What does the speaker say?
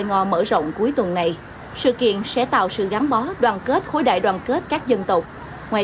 ngò mở rộng cuối tuần này sự kiện sẽ tạo sự gắn bó đoàn kết khối đại đoàn kết các dân tộc ngoài